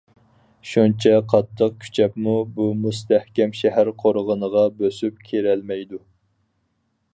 شۇنچە قاتتىق كۈچەپمۇ بۇ مۇستەھكەم شەھەر قورغىنىغا بۆسۈپ كىرەلمەيدۇ.